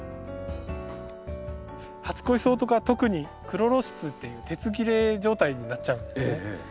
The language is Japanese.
初恋草とか特にクロロシスっていう鉄切れ状態になっちゃうんですね。